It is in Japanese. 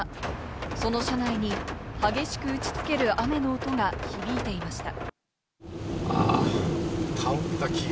その車内に激しく打ち付ける雨の音が響いていました。